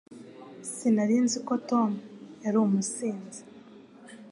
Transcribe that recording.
Sinari nzi ko Tom yari umusinzi